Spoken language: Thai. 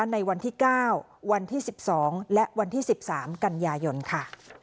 ในวันที่๙วันที่๑๒และวันที่๑๓กันยายนค่ะ